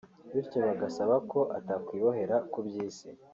bityo bagasaba ko atakwibohera ku by’isi